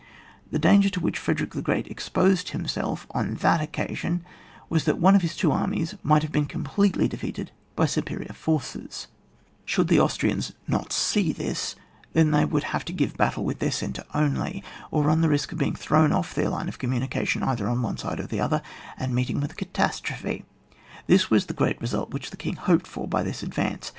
The danger to which Frederick the Great exposed himself on that 78 ON WAR, [boos vra. occasion was that one of Ms two armies might have been completely de feated by superior forces; should the Anstrians not see tkuy then they would have to g^ye battle with their centre only, or run the risk of being thrown off their line of communication, either on one side or the other, and meeting with a cata strophe ; this was the great result which the king hoped for by this advance.